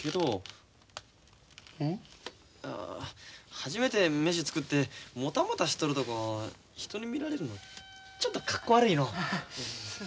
初めて飯作ってモタモタしとるとこ人に見られるのちょっとかっこ悪いのう。